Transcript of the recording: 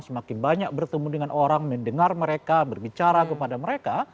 semakin banyak bertemu dengan orang mendengar mereka berbicara kepada mereka